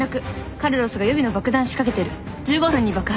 「カルロスが予備の爆弾仕掛けてる」「１５分に爆発」